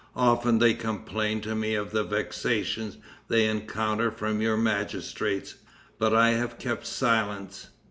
Often they complain to me of the vexations they encounter from your magistrates, but I have kept silence.